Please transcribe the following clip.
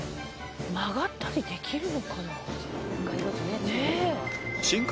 曲がったりできるのかな？